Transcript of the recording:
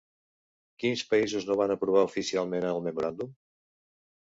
Quins països no van aprovar oficialment el memoràndum?